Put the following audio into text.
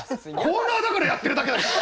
コーナーだからやってるだけだし！